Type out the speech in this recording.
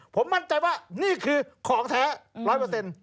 ผมมั่นใจว่าของแท้๑๐๐